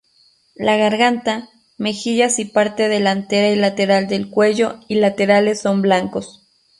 La garganta, mejillas y parte delantera y lateral del cuello y laterales son blancos.